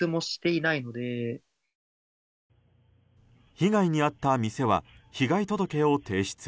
被害に遭った店は被害届を提出。